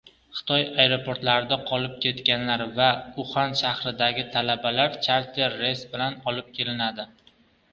Xitoy aeroportlarida qolib ketganlar va Uxan shahridagi talabalar charter reys bilan olib kelinadi